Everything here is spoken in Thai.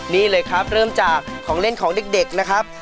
นี่เลยครับเริ่มจากของเล่นของเด็กนะครับ